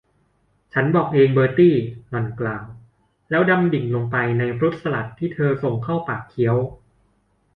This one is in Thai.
ฉันบอกเองเบอร์ตี้ หล่อนกล่าว แล้วดำดิ่งลงไปในฟรุ้ตสลัดที่เธอส่งเข้าปากเคี้ยว